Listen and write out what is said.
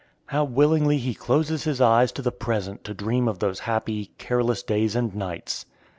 How willingly he closes his eyes to the present to dream of those happy, careless days and nights!